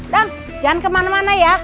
jangan kemana mana ya